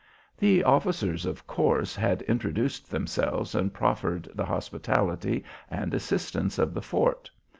The officers, of course, had introduced themselves and proffered the hospitality and assistance of the fort.